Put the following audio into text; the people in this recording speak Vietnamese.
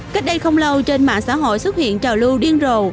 cách đây không lâu trên mạng xã hội xuất hiện trào lưu điên rồ